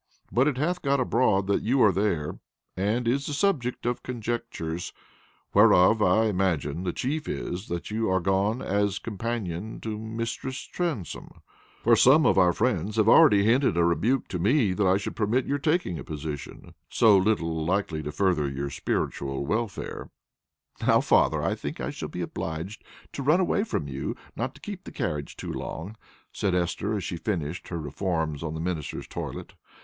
But it hath got abroad that you are there, and is the subject of conjectures, whereof, I imagine, the chief is, that you are gone as companion to Mistress Transome; for some of our friends have already hinted a rebuke to me that I should permit your taking a position so little likely to further your spiritual welfare." "Now, father, I think I shall be obliged to run away from you, not to keep the carriage too long," said Esther, as she finished her reforms on the minister's toilet.